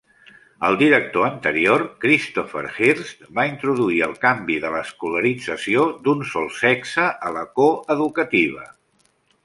El director anterior, Christopher Hirst, va introduir el canvi de l'escolarització d'un sol sexe a la co-educativa.